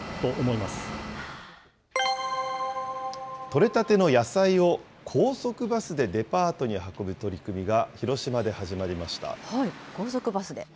取れたての野菜を高速バスでデパートに運ぶ取り組みが、広島高速バスで。